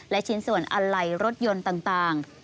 และชิ้นส่วนอัลไหลรถยนต์ต่าง